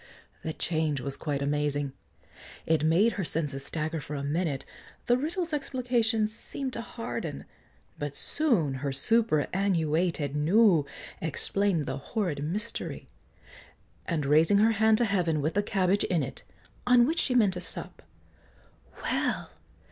The change was quite amazing; It made her senses stagger for a minute, The riddle's explication seemed to harden; But soon her superannuated nous Explain'd the horrid mystery; and raising Her hand to heaven, with the cabbage in it, On which she meant to sup, "Well!